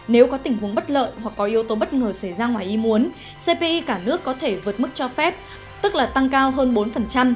nếu có tình huống bất lợi hoặc có yếu tố bất ngờ xảy ra ngoài ý muốn cpi cả nước có thể vượt mức cho phép tức là tăng cao hơn bốn